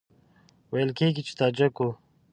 ویل کېږي چې تاجک وو.